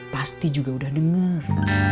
pasti juga udah denger